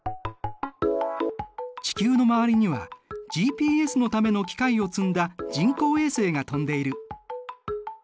地球の周りにはＧＰＳのための機械を積んだ人工衛星が飛んでいる。